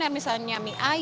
yang membeli makanan makanan